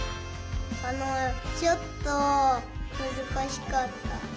あのちょっとむずかしかった。